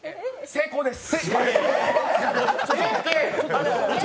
成功です！